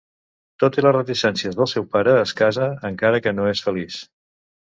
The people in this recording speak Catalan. Tot i les reticències del seu pare, es casa, encara que no és feliç.